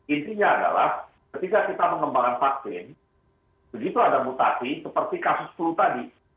intinya adalah ketika kita mengembangkan vaksin begitu ada mutasi seperti kasus flu tadi